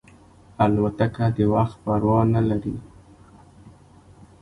الوتکه د وخت پروا نه لري.